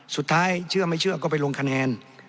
เชื่อไม่เชื่อก็ไปลงคะแนน